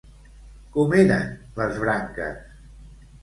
Com eren les branques?